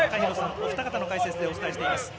お二方の解説でお伝えしています。